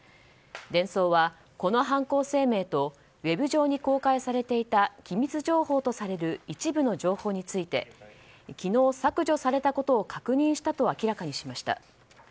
デンソーは、この犯行声明とウェブ上に公開されていた機密情報とされる一部の情報について昨日、削除されたことを確認したと明らかにしました。